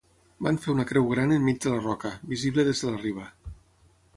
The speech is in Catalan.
Van fer una creu gran enmig de la roca, visible des de la riba.